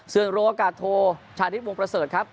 เสือนโรงโอกาสโทรชาติฤทธิ์วงประเสริฐครับ